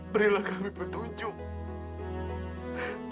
berilah kami petunjuk